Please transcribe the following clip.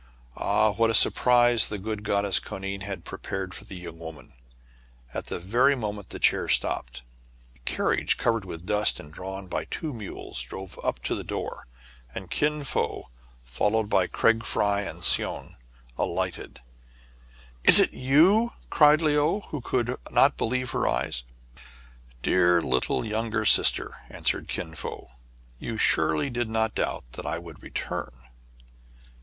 Ah ! what a surprise the good Goddess Koanine had prepared for the young woman ! At the very moment the chair stopped, a car riage, covered with dust and drawn by two mules, drove up to the door ; and Kin Fo, followed by Craig Fry and Soun, alighted. " Is it you ?" cried Le ou, who could not believe her eyes. " Dear little younger sister !" answered Kin Fo, "you surely did not doubt that I would return."